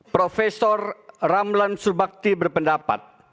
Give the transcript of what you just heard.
profesor ramlan surbakti berpendapat